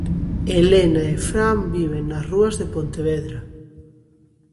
Elena e Fran viven nas rúas de Pontevedra.